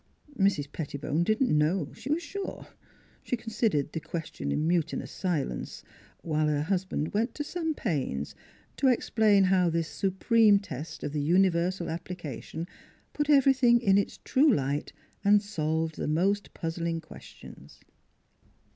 Mrs. Pettibone didn't know, she was sure. She considered the question in mutinous silence, while her husband went to some pains to explain how this supreme test of the universal applica tion put everything in its true light and solved the most puzzling questions.